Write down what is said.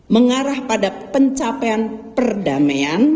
mengarah pada pencapaian perdamaian